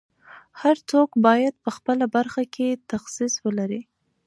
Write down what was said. هر څوک باید په خپله برخه کې تخصص ولري.